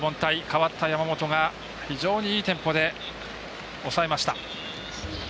代わった山本が非常にいいテンポで抑えました。